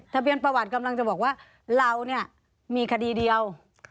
ทะเบียนประวัติกำลังจะบอกว่าเราเนี่ยมีคดีเดียว